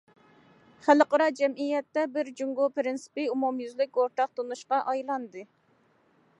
خەلقئارا جەمئىيەتتە، بىر جۇڭگو پىرىنسىپى ئومۇميۈزلۈك ئورتاق تونۇشقا ئايلاندى.